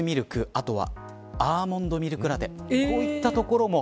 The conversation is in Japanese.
あとはアーモンドミルクラテ。